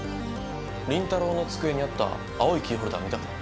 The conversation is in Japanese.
倫太郎の机にあった青いキーホルダー見たか？